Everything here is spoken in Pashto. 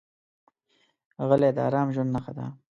غلی، د ارام ژوند نښه ده.